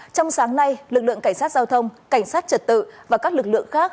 trong sáng nay lực lượng cảnh sát giao thông cảnh sát trật tự và các lực lượng khác